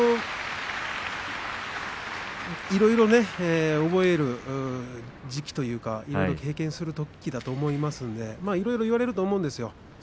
いろいろ覚える時期といいますか経験するときだと思いますのでいろいろ言われると思うんですよ